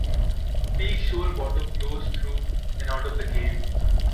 Peakshole Water flows through and out of the cave.